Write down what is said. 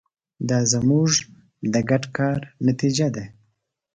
دا زموږ د ګډ کار نتیجه ده.